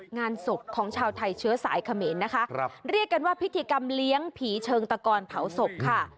งานศพของชาวไทยเชื้อสายเขมรนะคะเรียกกันว่าพิธีกรรมเลี้ยงผีเชิงตะกอนเผาศพค่ะ